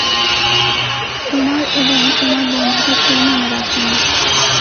তোমার এবং তোমার বন্ধুদের কেউ মনে রাখবেনা।